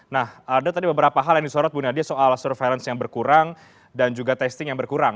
nah ada tadi beberapa hal yang disorot bu nadia soal surveillance yang berkurang dan juga testing yang berkurang